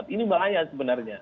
ini bahaya sebenarnya